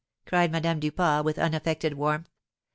cried Madame Duport, with unaffected warmth.